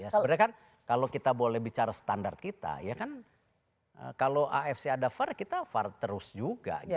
sebenarnya kan kalau kita boleh bicara standar kita ya kan kalau afc ada var kita var terus juga